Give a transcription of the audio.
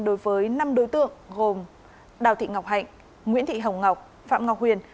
đối với năm đối tượng gồm đào thị ngọc hạnh nguyễn thị hồng ngọc phạm ngọc huyền